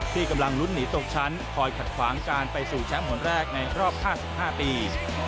ที่กำลังลุ้นหนีตกชั้นคอยขัดขวางการไปสู่แชมป์คนแรกในรอบ๕๕ปี